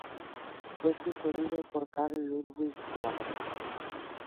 Fue sucedido por Carl Ludwig Wagner.